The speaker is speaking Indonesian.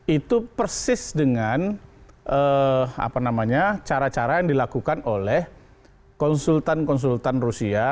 itu persis dengan cara cara yang dilakukan oleh konsultan konsultan rusia